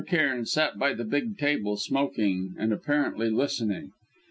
Cairn sat by the big table, smoking, and apparently listening.